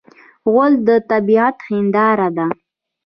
غول د طبعیت هنداره ده.